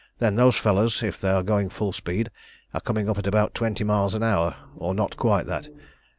Then those fellows, if they are going full speed, are coming up at about twenty miles an hour, or not quite that.